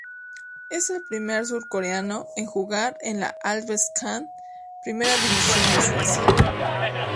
Es el primer surcoreano en jugar en la Allsvenskan, primera división de Suecia.